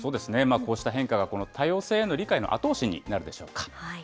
こうした変化が、この多様性への理解への後押しになるでしょうか。